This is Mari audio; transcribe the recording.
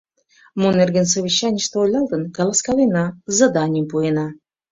Мо нерген совещанийыште ойлалтын — каласкалена, заданийым пуэна.